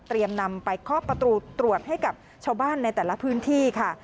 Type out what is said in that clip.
นำไปเคาะประตูตรวจให้กับชาวบ้านในแต่ละพื้นที่ค่ะ